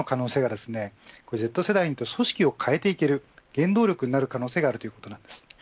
Ｚ世代で組織を変えていける原動力になる可能性があるということなんです。